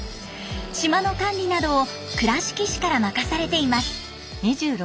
島の管理などを倉敷市から任されています。